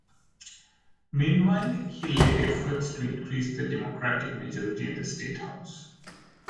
Meanwhile, he led efforts to increase the Democratic majority in the State House.